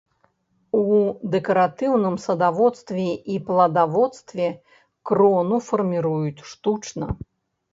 У дэкаратыўным садаводстве і пладаводстве крону фарміруюць штучна.